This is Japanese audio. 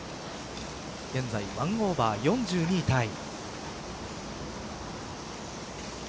現在１オーバー４２位タイ。